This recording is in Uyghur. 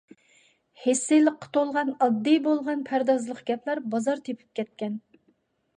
ھىسسىيلىققا تولغان ئاددىي بولغان پەردازلىق گەپلەر بازار تېپىپ كەتكەن.